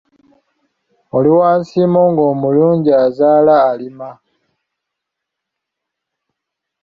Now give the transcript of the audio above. Oli wa nsimo ng’omulungi azaala alima.